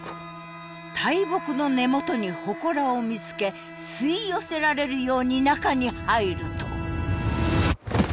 大木の根元に祠を見つけ吸い寄せられるように中に入ると。